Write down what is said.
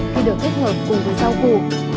khi được kết hợp cùng với rau củ